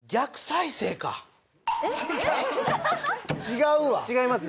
違うわ！